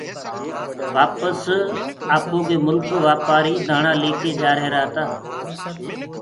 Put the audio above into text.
وآپس آپوئي ملڪ وآپآري دآڻآ ليڪي جآريهرآ تآ